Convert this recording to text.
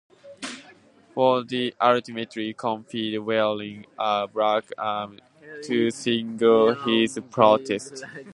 Fordyce ultimately competed wearing a black armband to signal his protest.